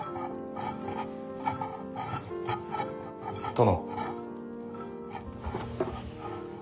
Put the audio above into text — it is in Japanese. ・殿。